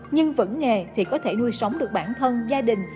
nhưng vẫn nghề thì có thể nuôi sống được bản thân gia đình